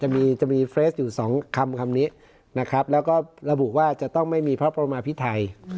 จะมีเฟรสอยู่สองคำคำนี้นะครับแล้วก็ระบุว่าจะต้องไม่มีพระประมาพิไทย